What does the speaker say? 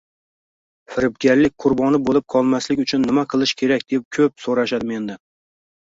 Firibgarlik qurboni boʻlib qolmaslik uchun nima qilish kerak deb koʻp soʻrashadi mendan.